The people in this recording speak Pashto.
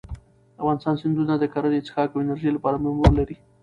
د افغانستان سیندونه د کرنې، څښاک او انرژۍ لپاره مهم رول لري.